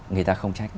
người ta không trách